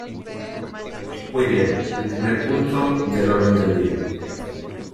Muy bien, el primer punto del orden del día.